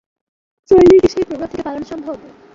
চাইলেই কি সেই প্রোগ্রাম থেকে পালানো সম্ভব?